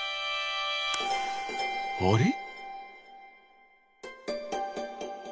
あれ？